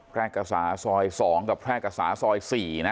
แพร่กษาซอย๒กับแพร่กษาซอย๔นะ